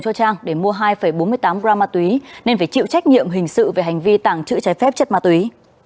trang đã mua hai bốn mươi tám gram ma túy nên phải chịu trách nhiệm hình sự về hành vi tảng trự trái phép chất ma túy